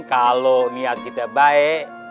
kalau niat kita baik